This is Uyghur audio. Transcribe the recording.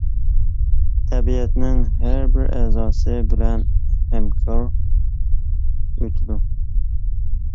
تەبىئەتنىڭ ھەربىر ئەزاسى بىلەن ھەمكار ئۆتىدۇ.